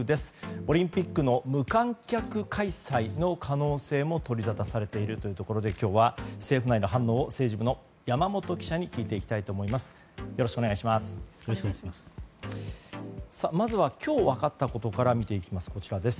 オリンピックの無観客開催の可能性も取りざたされているというところで今日は政府内の反応を政治部の山本記者に聞いていきたいと思います。